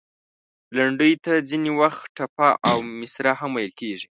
لنډۍ ته ځینې وخت، ټپه او مصره هم ویل کیږي.